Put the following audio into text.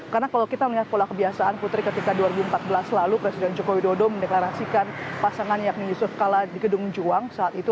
karena kalau kita melihat pola kebiasaan putri ketika dua ribu empat belas lalu presiden jokowi yudho mendeklarasikan pasangan yakni yusuf kalah di gedung juang saat itu